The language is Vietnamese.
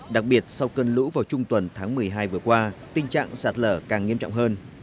đặc biệt sau cơn lũ vào trung tuần tháng một mươi hai vừa qua tình trạng sạt lở càng nghiêm trọng hơn